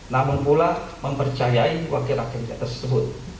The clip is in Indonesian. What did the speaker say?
namun pula mempercayai wakil rakyat tersebut